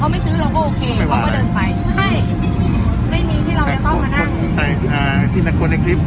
มีเราจะบอกราคาเขาไม่ซื้อเราก็โอเคเขาก็เดินไปไม่ว่าสิ